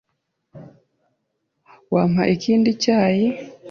Wampa ikindi cyayi?